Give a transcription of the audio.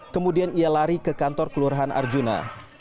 kemudian ia lari ke kantor kelurahan arjuna